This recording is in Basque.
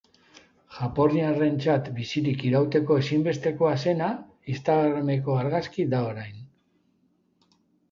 Japoniarrentzat bizirik irauteko ezinbestekoa zena, instagrameko argazkia da orain.